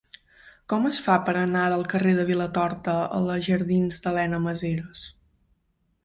Com es fa per anar del carrer de Vilatorta a la jardins d'Elena Maseras?